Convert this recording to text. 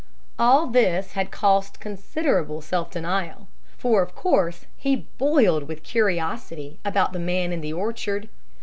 All this had cost considerable self denial; for of course he boiled with curiosity about the man in the orchard.